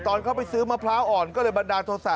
ตอนเข้าไปซื้อมะพร้าวอ่อนก็เลยบันดาลโทษะ